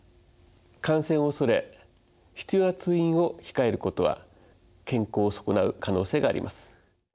感染を恐れ必要な通院を控えることは健康を損なう可能性があります。